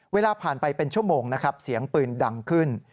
เวลาผ่านไปเป็นชั่วโมงนะครับเสียงปืนดังขึ้น